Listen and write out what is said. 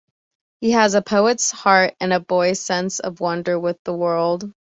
He has a poet's heart and a boy's sense of wonder with the world.